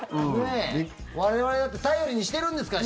我々だって頼りにしてるんですから。